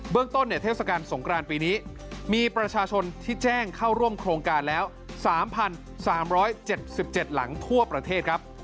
ต้นเทศกาลสงครานปีนี้มีประชาชนที่แจ้งเข้าร่วมโครงการแล้ว๓๓๗๗หลังทั่วประเทศครับ